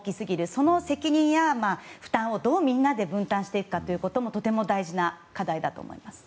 その責任や負担をどうみんなで分担していくかもとても大事な課題だと思います。